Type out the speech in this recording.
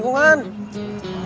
kita di lingkungan